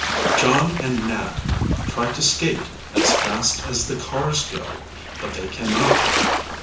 John and Nat try to skate as fast as the cars go, but they can not.